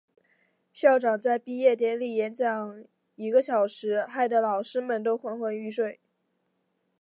校长在毕业典礼演讲一个小时，害得老师们都昏昏欲睡。